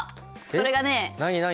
それがね